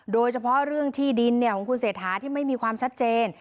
โดยเฉพาะเรื่องที่ดินของคุณเศรษฐาที่ไม่มีความชัดเจน